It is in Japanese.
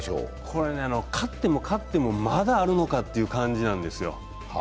これね、勝っても勝ってもまだあるのかという感じなんです。